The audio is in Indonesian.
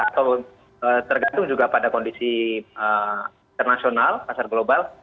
atau tergantung juga pada kondisi internasional pasar global